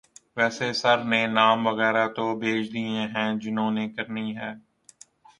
ویسے سر نے نام وغیرہ تو بھیج دیے ہیں جنہوں نے کرنی ہے۔